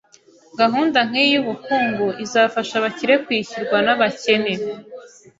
Gahunda nkiyi yubukungu izafasha abakire kwishyurwa nabakene.